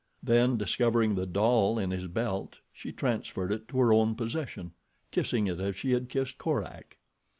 Then, discovering the doll in his belt she transferred it to her own possession, kissing it as she had kissed Korak.